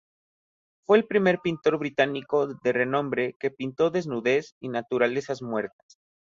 Fue el primer pintor británico de renombre que pintó desnudez y naturalezas muertas.